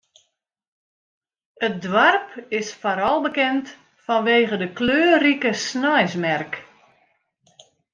It doarp is foaral bekend fanwege de kleurrike sneinsmerk.